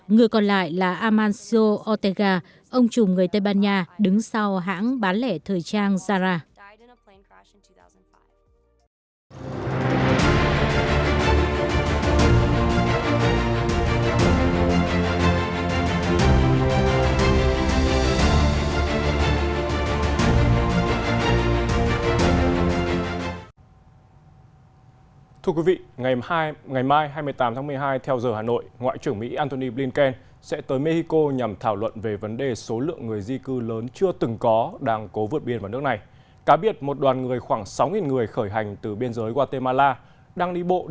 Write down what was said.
người còn lại là amancio ortega ông chùm người tây ban nha đứng sau hãng bán lẻ thời trang zara